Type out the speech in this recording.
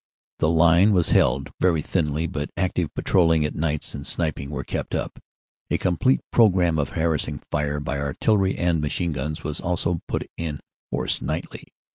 "The line was held very thinly, but active patrolling at nights and sniping were kept up. A complete programme of harassing fire by Artillery and Machine Guns was also put in force nightly.